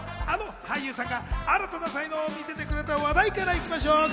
まずはあの俳優さんが新たな才能を見せてくれた話題から行きましょう。